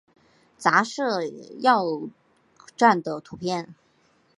杂色耀鲇的图片